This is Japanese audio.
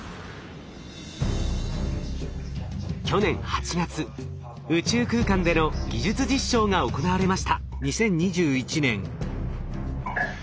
去年８月宇宙空間での技術実証が行われました。